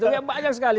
ya banyak sekali